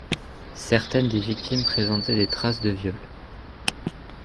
Certaines des victimes présentaient des traces de viols.